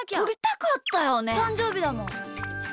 たんじょうびだもん。